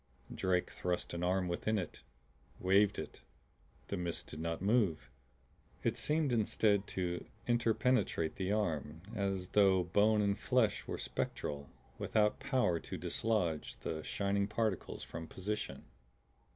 Drake thrust an arm within it, waved it; the mist did not move. It seemed instead to interpenetrate the arm as though bone and flesh were spectral, without power to dislodge the shining particles from position.